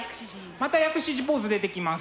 また薬師寺ポーズ出てきます。